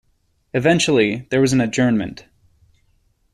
Eventually there was an adjournment.